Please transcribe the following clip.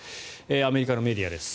アメリカのメディアです。